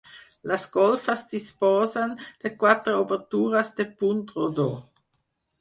Les golfes disposen de quatre obertures de punt rodó.